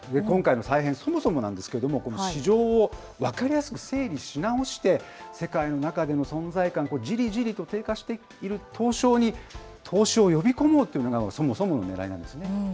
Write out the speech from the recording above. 今回の再編、そもそもなんですけれども、この市場を分かりやすく整理し直して、世界の中での存在感、じりじりと低下している東証に、投資を呼び込もうというのがそもそものねらいなんですね。